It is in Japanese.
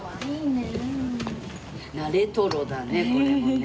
レトロだねこれもね。